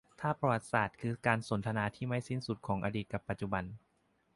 ถ้าประวัติศาสตร์คือการสนทนาที่ไม่สิ้นสุดของอดีตกับปัจจุบัน